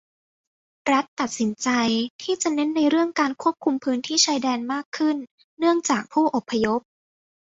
รัฐตัดสินใจที่จะเน้นในเรื่องการควบคุมพื้นที่ชายแดนมากขึ้นเนื่องจากผู้อพยพ